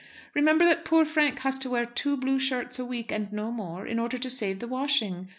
Remember that poor Frank has to wear two blue shirts a week and no more, in order to save the washing!